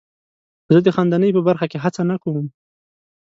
زه د خندنۍ په برخه کې هڅه نه کوم.